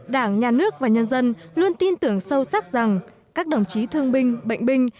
đảng nhà nước và nhân dân luôn tin tưởng sâu sắc rằng các đồng chí thương binh bệnh binh